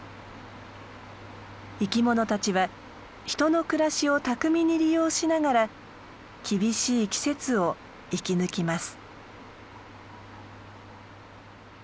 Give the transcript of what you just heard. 生きものたちは人の暮らしを巧みに利用しながら厳しい季節を生き抜きます。